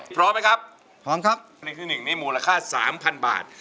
พร้อมไหมครับพร้อมครับนี่คือ๑มูลค่า๓๐๐๐บาท